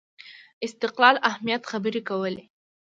استقلال اهمیت خبرې کولې